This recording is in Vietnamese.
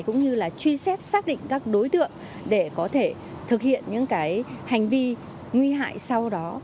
cũng như là truy xét xác định các đối tượng để có thể thực hiện những hành vi nguy hại sau đó